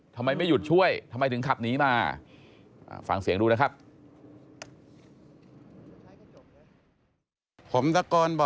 ทำไมไม่หยุดช่วยทำไมถึงขับหนีมาฟังเสียงดูนะครับ